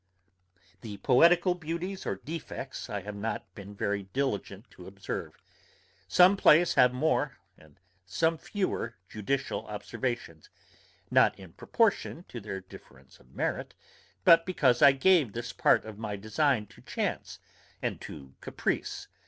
The poetical beauties or defects I have not been very diligent to observe. Some plays have more, and some fewer judicial observations, not in proportion to their difference of merit, but because I gave this part of my design to chance and to caprice.